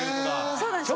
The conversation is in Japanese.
そうなんですよ。